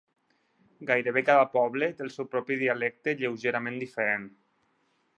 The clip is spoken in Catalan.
Gairebé cada poble té el seu propi dialecte lleugerament diferent.